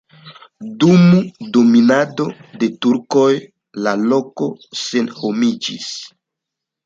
Dum dominado de turkoj la loko senhomiĝis.